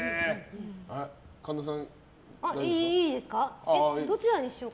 神田さん、大丈夫ですか？